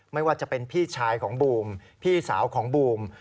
ไม่ว่าจะเป็นพี่ชายของบูมพี่สาวของบูม